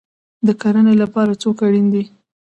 د کرنې لپاره څوک اړین دی؟